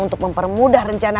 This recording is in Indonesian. untuk mempermudah rencana